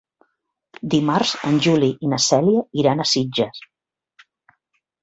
Dimarts en Juli i na Cèlia iran a Sitges.